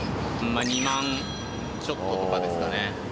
まあ２万ちょっととかですかねはい。